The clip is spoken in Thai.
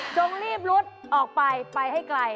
รีบลุดออกไปไปให้ไกล